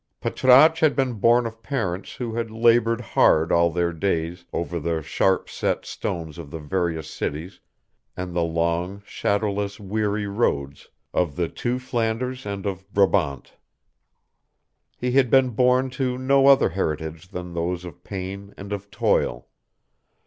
Patrasche had been born of parents who had labored hard all their days over the sharp set stones of the various cities and the long, shadowless, weary roads of the two Flanders and of Brabant. He had been born to no other heritage than those of pain and of toil.